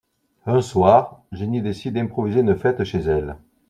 Un soir, Jenny décide d'improviser une fête chez elle.